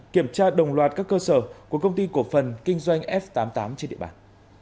kiểm tra đồng loạt các cơ sở của công ty cổ phần kinh doanh f tám mươi tám trên địa bàn